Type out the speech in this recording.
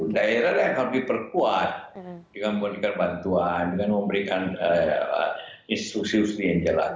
daerah lain akan diperkuat dengan memberikan bantuan dengan memberikan instruksi instruksi yang jelas